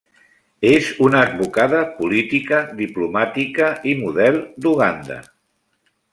És una advocada, política, diplomàtica i model d'Uganda.